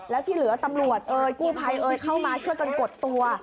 แล้วที่เหลือตำรวจเอ่ยกู้ภัยเอ่ยเข้ามาช่วยกันกดตัว